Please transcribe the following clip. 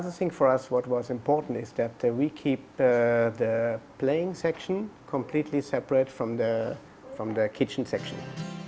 dan satu hal lain yang penting untuk kami adalah kita memastikan bagian mainan berbeda dengan bagian kucing